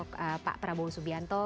baik dari sosok pak prabowo subianto